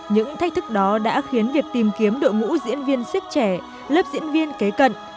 những thách thức đó đã khiến việc tìm kiếm đội ngũ diễn viên siếc trẻ lớp diễn viên kế cận